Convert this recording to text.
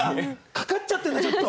かかっちゃってるんだちょっと。